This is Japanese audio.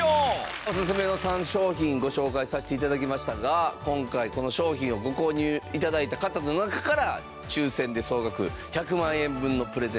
おすすめの３商品ご紹介させて頂きましたが今回この商品をご購入頂いた方の中から抽選で総額１００万円分のプレゼントもございます。